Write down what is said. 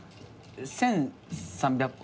１，３００本。